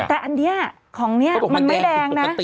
แต่อันนี้ของนี้มันไม่แรงนะ